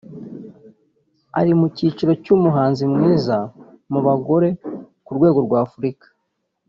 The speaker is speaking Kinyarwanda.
ari mu cyiciro cy’umuhanzi mwiza mu bagore ku rwego rwa Afurika